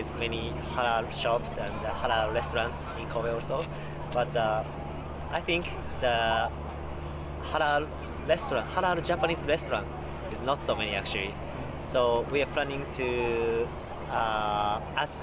jadi kami berpengen mencari restoran jepang untuk mengatur menu halal lebih banyak